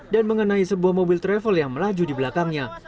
dan mengenai sebuah mobil travel yang melaju di belakangnya